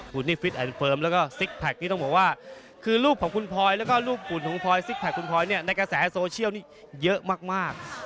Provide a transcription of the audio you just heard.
คุณนี่ฟิตแอนดเฟิร์มแล้วก็ซิกแพคนี้ต้องบอกว่าคือรูปของคุณพลอยแล้วก็รูปคุณของพลอยซิกแพคคุณพลอยเนี่ยในกระแสโซเชียลนี่เยอะมาก